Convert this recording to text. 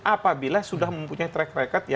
apabila sudah mempunyai track record